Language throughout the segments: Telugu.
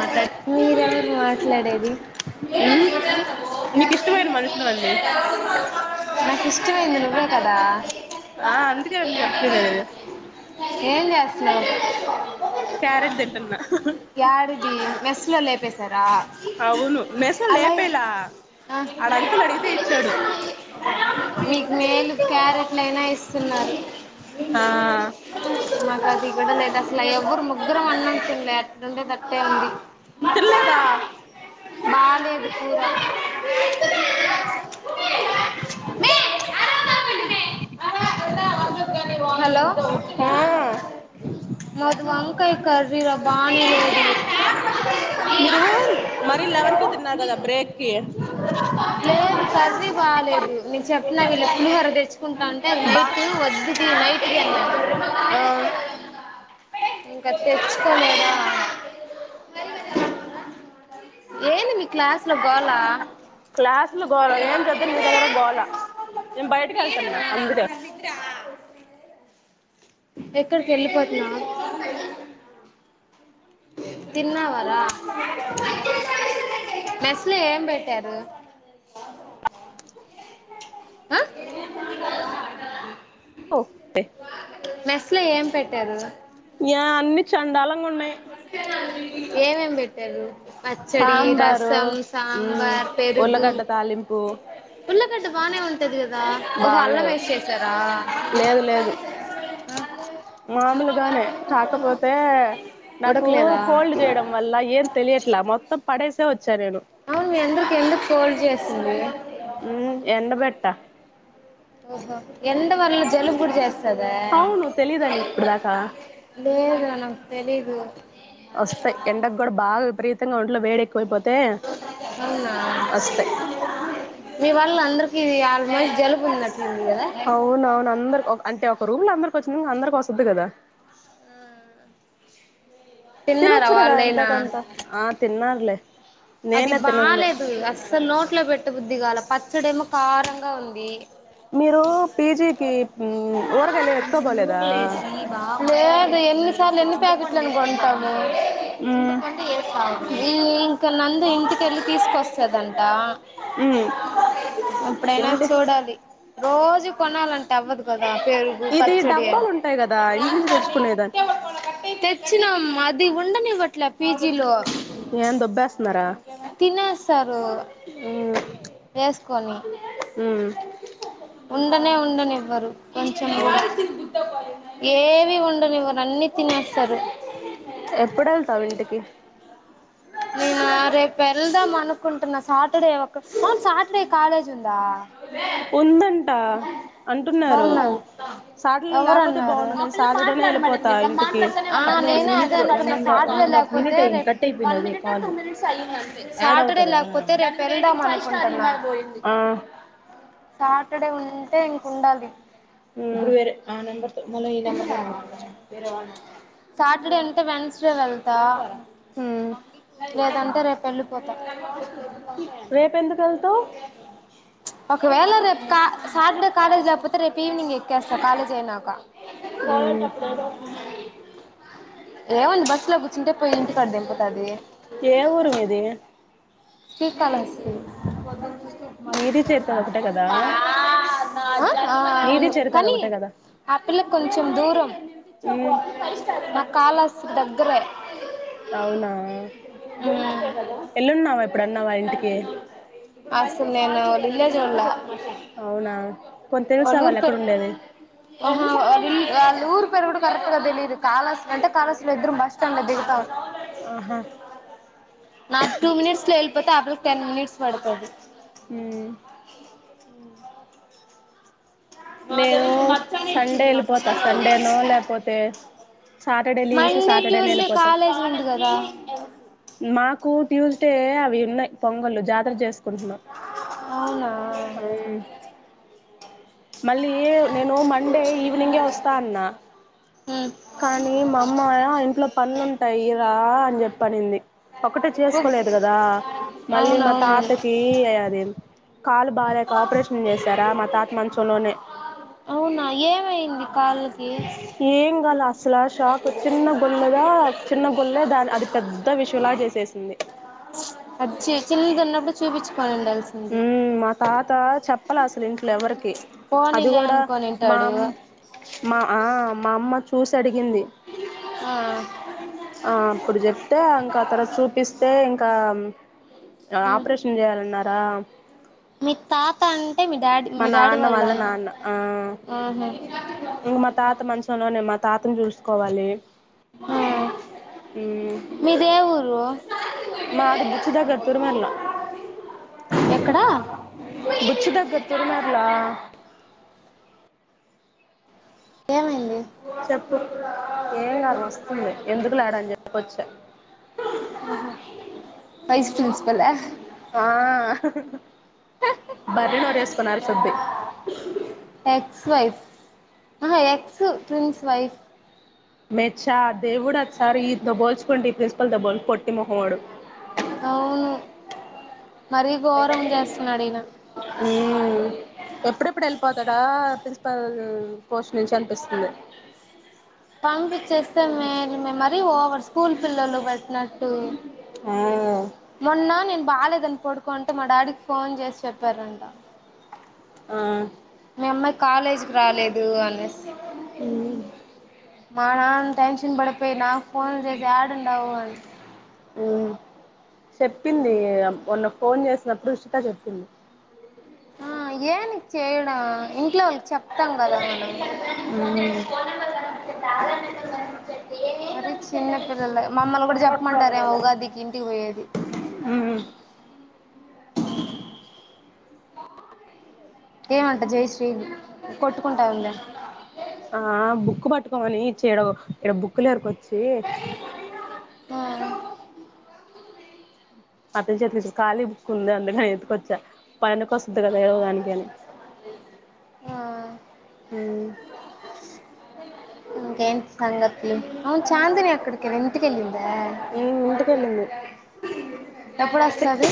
మాట్లాడి మీరే మీరు మాట్లాడేది నీకు ఇష్టమైన మనుషులు అండి నాకు ఇష్టమైంది నువ్వు కదా ఆ అందుకే అండి చెప్తున్నది ఏం చేస్తున్నావు క్యారెట్ తింటున్నా యాడ ఇ మెస్ లో లేపసార అవును మెస అలా లేపేలా ఆడ అంకులు అడిగితే ఇచ్చాడు మీకు మేలు క్యారెట్లయినా ఇస్తున్నా ఆ ఆ మాకు అది కూడా లేదు అసలు ఎవరు ముగ్గురం అన్నాం తినేలే అట్ండే తిన్లేద బాగాలేదు కూర హలో ఆ మధు వంకాయ కర్రీరా బాగానే లేదు మీరు మరి లెవెన్ కే తిన్నారు కదా బ్రేక్ కి లేదు కర్రీ బాలేదు నేను చెప్పిన వీళ్ళ పులిహోర తెచ్చుకుంటా అంటే అది బా నైట్ దు వదు నైట్ కి ఆ ఇంకా తెచ్చుకోలేదా ఏందీ మీ క్లాస్ లో గోలా క్లాసులో గోల ఏం చేద్దాం నీ దగ్గర గోలా నేను బయటకి వెళ్తన్నా అందుకే ఎక్కడికెళ్ళిపోతున్నావు తిన్నావరా మెస్లే ఏం పెట్టారు. ఆ మెస్ లో ఏం పెట్ తెల్ద్ యా అన్ని చండాలంగా ఉన్నాయి ఏమేం పెట్టారు పచ్చడి సాంబారు రసం హ్మ్మ్ సాంబార్ పెరుగు ఉల్లగడ్డ తాలింపు. ఉల్లగడ్డ బానే ఉం బాలేదు లేదు లేదు మామలుగానే కాకపోతే నాకు ఉడకలేదా కోల్డ్ చేయడం వల్ల ఏం తెలియట్లా మొత్తం పడేసే వ సరేను అవును మీ అందరికి ఎందుకు కోల్డ్ జేసింది మ్మ్ ఎండబెట్ట ఓహో ఎందువల్ల జలుబు కూడా జేస్ అవును తెలియదా నీకు ఇప్పటి దాకా లేేదునా తెలీదు వస్తయ్ ఎండకు కూడ బాగా విపరీతంగా ఒంట్లో వేడెక్ కోయిపోతే అవునా అస్తయ్ మీ వల్ల అందరికిీ ఆల్మోస్ట్ జలుబు ఉన్ అవునవును అందరు అంటే ఒక రూమ్ లో అందరు వచ్చిన్ అందరికీ వస్తుద్ధి కదా తిన్నారా తినొచ్చు కదా ఎంతో వాళ్ళైనా కొంత అది బాలేదు అస్సలు నోట్లో పెట్ట బుద్దిగాల పచ్చడేమో కారంగా ఉంది. మీరు పీజీకి ఊరగాయలేం ఎత్తుకోపోలేదా లేదు ఎన్నిసార్లు ఎన్ని ప్యాకెట్లు అని కోన్ కొంటాము మ్మ్ మ్మ్ నందు ఇంటికెళ్ళి తీసుకొస్తదంట మ్మ్ ఎప్పుడైనా ఏంటి చూడాలి రోజు కొనాలంటే అవ్వదు గదు పెరుగు ఇది పచ్చడి డబ్బాలు ఉంటాయి కదా ఇంటి నుంచి తెచ్చుకునేదాన్ని చ్చినామ్మ అది ఉండనివ్వట్లే ఏందోబ్బెస్ తినే సారు ఎస్ కొని హ్మ్మ్ ఉండనే ఉండనివ్వరు కొంచం కూడా అవును ఏవి ఉండనివ్వరు అన్ని తినేస్తారు. ఎప్పుడు వెళ్తావు ఇంటికి నేను రేపు వెళ్దాం అనుకుంటున్నా. సాటర్డే ఒక అవును సాటర్డే కాలేజ్ ఉందా. ఉందంట అంటున్నారు బాగున్నాను సాట లో లేకపోతే ఎవరన్నారు బాగుండు సాటర్డేనే వెళ్ళిపోతా. ఇంటికి ఆ అప్పుడు నేను అదే వన్ అనుకున్నా సాటర్డే అండ్ హఫ్ లేకపోతే మినిట్ అయింది రేపు కటి ప్ వన్ మినిట్ టూ మినిట్స్ అయింది అంతే సాటర్డే అవుతదా లేకపోతే రేపు వెళ్దంది ఆ సాటర్డే ఉంటే ఇంక ఉండాలి ఇప్పుడు వేరే ఆ నంబర్ తో మళ్ళ ఈ నంబర్ తో వేరే వాళ వెన్స్ డే వెళ్తా లేదంటే రేపు వెళ్ళిపోతా. రేపు ఎందుకు వెళ్తావ్ ఒకేవేళ రేపు సాటర్డే కాలేజ్ లేకపోతే రేపు ఈవినింగ్ ఎక్కేస్తా. కాలేజ్ అయినాక రేవన్ బస్ లో కు అంటే పోయింటిం తెలుసా ఏ ఊరు మీది శ్రీకాల హస్తి నీది చరితది ఒకటే కదా న నీది అవును చరితది కానీ ఒకటే కదా ఆ పిల్ల కి కొంచెం దూరం మ్మ్ నాకు కాళ దగ్గరే అవునా ఎల్లినావ ఇప్ అప్పుడన్నా వా ఇంటికి అసలు నేను లేళ్ళే చుల్ల అవునా పోనీ తెలుసా వాళ్ళు ఎక్కడ ఉండేది ఇల్ వాళ్ళు ఊరు పేరు కూడా కరెట్గా తెలియదు. కాలహస్త్రి అంటే కాలహస్త్రి లో ఇద్దరు బస్ స్టాండ్ లో దిగుతా ఆహా నాది టూ మినిట్స్ లో ఆ పిల్ల కి టెన్ మినిట్స్ పడుతుది ఊం అ నేను సండే వెళ్ళిపోతా. సండేనో లేకపోతే సాటర్డే లీవ్సి మండే సాటర్డే నో ట్యూస్డే వెళ్ళిపోతా. కాలేజ్ ఉంది కదా మాకు ట్యూస్డే అవి ఉన్నాయి పొంగలు జాతర చేసుకుంటున్నాం అవునా హ్మ్ ఉ మళ్ళీ నేను మండే ఈవినింగే వస్తా. అన్నా కానీ మా అమ్మా ఇంట్లో పనులుంటాయి. రా అని చెప్ పనింది ఒకటే చేసుకోలేదు కదా మళ్ళీ మా అవునవును తాతకి అది ఏన్ కాలు బాలేక ఆపరేషన్ చేసారా మా తాత మంత్ అవునా ఏమైంది కాళ్లకు ఏం కాల అసలా షాక్ చిన్న గొల్లదా చిన్న గొల్లే దాని అది పెద్ద విషయలా చేసేసింది. అచ్చి చిన్నది ఉన్నప్పుడు చూపీచు ఉ మా తాత చెప్ ప్పలే అసలు ఇంట్లో ఎవరికి అది పోనీలే కూడా అనుకొనింటాడు మామ్ మా ఆ మా అమ్మ చూసి అడి గింది ఆ ఆ అప్పుడు చెప్తే ఇంకా ఆ తర్వాత చూపిస్తే ఇంకా మ్ ఆపరేషన్ చేయాలన్నారా మీ తాత ఆన్ మా నాన్న వాళ్ళ నాన్న ఆ ఆహా ఇంగా మా తాత మంచంలోనే మా తాతను చూస్ కోవాలి ఆ మీ దే ఊరు మాది బుచ్చి దగ్గర తురుమేర్ల ఎక్కడా బుచ్చి దగ్గర తురుమేర్ల ఏమైంది చెప్పు ఏం కాదు వస్తుంది ఎందుకులే అడ అని చెప్పొచ్చ వైస్ ప్రిన్సిపలా ఆ బర్రెనోరు ఏసుకొని అరుసుద్ది ఎక్స్ వైఫ్ ఆహా ఎక్స్ ప్రిన్స్ వైఫ్ మెచ్చా దేవుడు అదిసారి ఈయనతో బోల్చుకోండి ఈ ప్రిన్సిపల్ దబోల్ కొట్టి మొహమోడు అవును మరీ గోరం చేస్తున్నాడు ఈయన ఇక్కడ ప్రిన్సిపల్ పోస్ట్ నుంచి అనిపిస్తుంది పంపిచేస్తే మేలుమే మరి ఓవర్ స్కూల్ పిల్లలు పెట్టినట్టు ఆ మొన్న నేను బాలేదని పడుకుంటే మా డాడీకి ఫోన్ చేసి చెప్పారంట ఆ మీ అమ్మాయి కాలేజీకి రాలేదు అనేసి ఉమ్ మా నాన్న టెన్షన్ పడిపో యి నా ఫోన్ జేసి ఏడుండవూ అని ఉ చెప్పింది మొన్న ఫోన్ చేసినప్పుడు ఉషిత చెప్పింది ఆ ఏనికి చేయడం ఇం ఇంట్లో వాళ్ళకి చెప్తాం కదా మనం మరి చిన్న పిల్లలు మమ్మల్ని కూడా చెప్పమంటారేమో ఉగాదికి ఇంటికి పోయేది ఉమ్ ఏమంటా జయశ్రీ ది ఆ బుక్ పట్టు కొని చేయడం ఇడ బుక్కులు ఏరుకొని చి ఆ అతని చేతిలో ఇప్పుడు ఖాళీ బుక్ ఉంది అందుకని ఎతుకొచ్చా పైన కోస్ ఇంత కదా ఏవ గాని కని ఆ ఉమ్ ఇంకేంటి సంగతులు అవును చాందిని ఎక్కడికి వెళ్ళి ఇంటికెళ్ళింది దా ఉమ్ ఇంటికెళ్ళింది ఎప్పుడూ వస్తది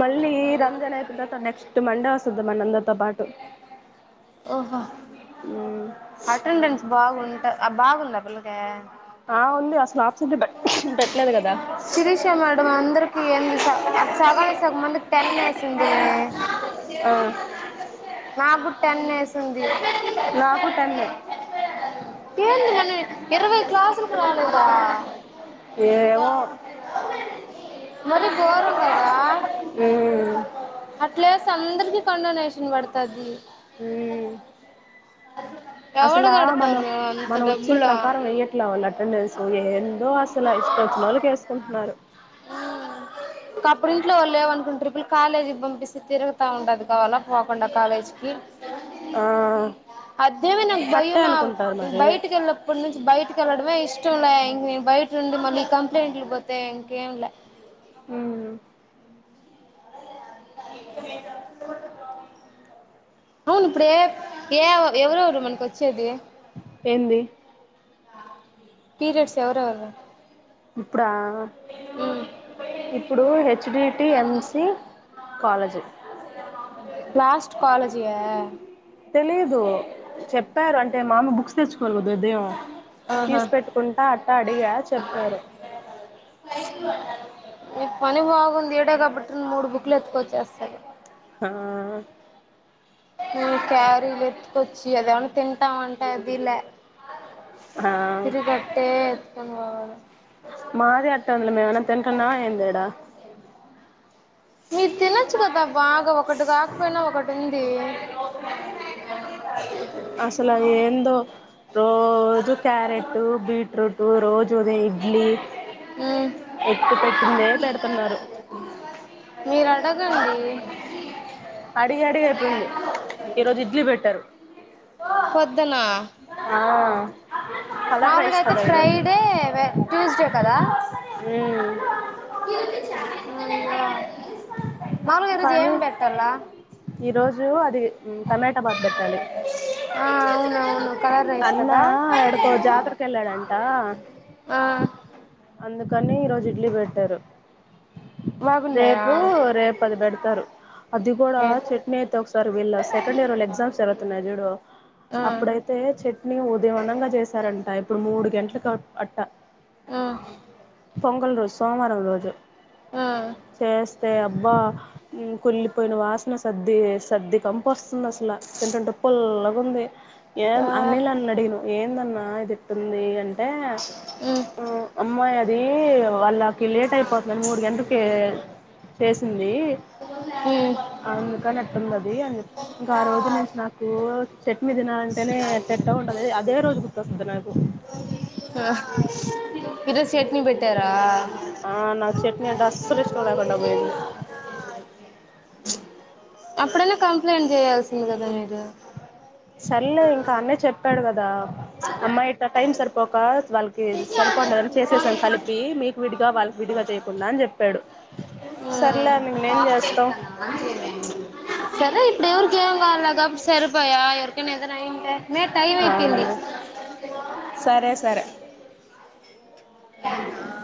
మళ్ళీ రంజాన్ అయితుంద నెక్స్ట్ మండే వస్తుంద మన అందరితో పాటు ఓహో ఉమ్ అటెండెన్స్ బాగుంట బాగుంది పిల్లకి ఆ ఉంది అసలు ఆబ్సెంట్ ఏ పెట్టలే శిరీష మేడం అందరికి సగానికి సగంమందికి టెన్ వేసిందే ఆ నా కూడా టెన్ వేసి ంది నాకు టెన్నే ఏంది నన్న ఇరవై క్లాసులకు రాలేదా ఏమో మరి గోరం కదా ఉమ్ అట్లే అందరికి కండొనేషన్ పడుత తది ఉమ్ ఎవడు అసలా మనం కడతారు అంత మనం వచ్చిన డబ్బులు ప్రకారం వెయ్యట్లే వాళ్ళు అటెండెన్స్ ఎందో అసలు ఇష్టం వచ్చినోళ్లకి వేసుకుంటున్నారు ఇంకా అప్పుడు ఇంట్లో వాళ్ళు ఏమనుకుంటారు ఈ పిల్ల కాలేజీకి పంపిస్తే తిరగతా ఉండది కావాలా పోకుండా కాలేజీకి ఆ అదేమే నాకు అట్టే భయమా అనుకుంటారు మరి బయటికి వెళ్ళనప్పుడు నుంచి బయటక వెళ్ళడమే ఇష్టం ఇష్టంలా ఇంక బయట ఉండి మళ్ళీ కంప్లైంట్లు పోతే ఇంక కేంలా ఉమ్ అవును ఇప్పుడు ఏ ఏ ఎవరెవరు మనకి వచ్చేది ఏంది పీరియడ్స్ ఎవరెవరు ఇప్పుడా ఇప్పుడు హెచ్డిటి ఎంసి కాలేజ్ లాస్ట్ కాలజీయా తెలీదు చెప్పారు అంటే మామ బుక్స్ తెచ్చుకు లే కదా ఉదయం ఆహా తీసి పెట్టుకుంటా అట్టా అడిగా చెప్పారు నీ పని బాగుంది ఈడే కాబట్టి నువ్వు మూడు బుక్లు ఎత్తుకొచ్చేస్తాను ఆ నువ్ క్యారీ వెతుకొచ్చి అదవేమన్న తింటామంటె అదిలే ఆ తిరిగట్టే త మాది అట్ట అందల మేమనా తింటనమా ఏంది ఈడ మీరు తినొచ్చు కదా బాగా ఒకటి కాకపోయినా ఒకటి ఉంది అసలు ఏందో రోజు క్యారెట్ బీట్రూట్ రోజు ఉదే ఇడ్లీ ఎక్కువ పెట్టిందే పెడుతున్నారు మీరు అడగండి అడిగి అడిగి అయిపోయింది ఈరోజు ఇడ్లీ పెట్టారు పొద్దున ఆ కలర్ మామూలుగా రైస్ అయితే కదా ఈరోజు ఫ్రైడే ట్యూస్డే కదా ఉ మాములుగా ఈ రోజు కానీ ఏమ్ పెడతారు రా ఈరోజు అది టమాటా బాత్ పెట్టాలి ఆ అవునవు అన్నా యాడకో జాతరకు వెళ్ళాడంట ఆ అందుక్ కానీ ఈరోజు ఇడ్లీ పెట్టారు బాగున్నాయా రేపు రేపు అది పెడతారు అది కూడా ఏ చట్నీ అయితే ఒకసారి వీళ్ళ సెకండ్ ఇయరోళ్ల ఎగ్జామ్స్ జరుగుతున్నాయి చూడు ఆ అప్పుడైతే నింగ్ ఉదయమనంగా చేశారంట ఇప్పుడు మూడు గంటలకు అవు అట్ట ఆ పొంగల్ రోజు సోమవారం రోజు ఆ చేస్తే అప్ బ్బా కుల్లిపోయిన వాసన సద్ది సద్ది కంపు కంపు వస్తుంది అసలు తింటుంటే పుల్లగా ఉంది ఏమ్ ఆ అనిల్ అన్నడిగా ఏందన్నా ఆ ఇదిట్టుంది ఏయన్ టె ఉమ్ ఉ అమ్మాయ్ అన్ దీ వాళ్ళ కి లేట్ అయిపోతుందని మూడు గంటలకి చేసింది ది ఉమ్ అందుకనీ అట్టుంది అది అని ఇంకా ఆ రోజు నుంచి నాకు చెట్ని తినాలని తెనేగా పెట్ట ఉంటది అదే రోజు గుర్తొస్తుంది నాకు ఈ రోజు చేట్నీ పెట్టారా ఆ నాక్ చట్నీ అంటే అసలు ఇష్టం లేకుండా పోయింది అప్పుడైనా కంప్లైంట్ చేయాల్సింది కదా మీరు సరేలే ఇంకా అన్నయ చెప్పాడు కదా అమ్మాయి ఇట్టా టైమ్ సరిపోక వాళ్ళకి సరిపోలేదని చేసేసాం కలిపి మీకు విడిగా వాళ్ళకి విడిగా చేయకుండా అని చెప్పాడు సర్లే అని నిన్నేం ఆఫ్ చేస్తాం చేస్తాను ఆన్ సరే ఇప్పుడు ఎవరికి ఏం కాలా గాబట్టి సరిపయా ఎవరికైనా ఏదైనా మే టైమ్ ఆ అయిపేయింది సరే సరే